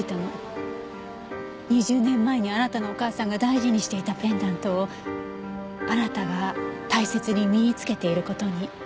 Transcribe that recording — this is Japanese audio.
２０年前にあなたのお母さんが大事にしていたペンダントをあなたが大切に身に着けている事に。